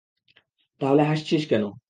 তাহলে হাসছিস কেন?